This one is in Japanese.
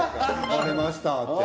「割れました」って。